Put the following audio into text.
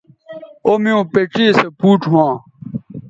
او میوں پڇے سو پوڇ ھواں